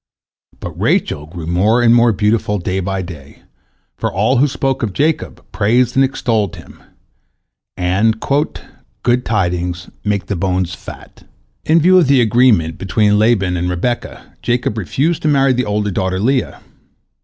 But Rachel grew more and more beautiful day by day, for all who spoke of Jacob praised and extolled him, and "good tidings make the bones fat." In view of the agreement between Laban and Rebekah, Jacob refused to marry the older daughter Leah.